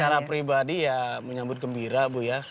secara pribadi ya menyambut gembira bu ya